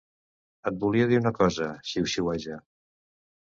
Et volia dir una cosa —xiuxiueja—.